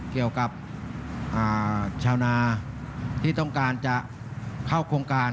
เกี่ยวกับชาวนาที่ต้องการจะเข้าโครงการ